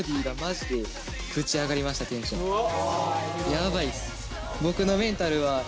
ヤバいっす。